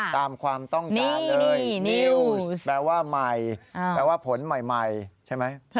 ตามความต้องการเลยนิวแปลว่าใหม่แปลว่าผลใหม่ใช่ไหม